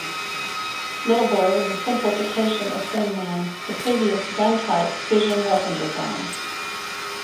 Little Boy was a simplification of Thin Man, the previous gun-type fission weapon design.